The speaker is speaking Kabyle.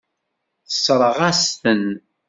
Tessṛeɣ-as-ten.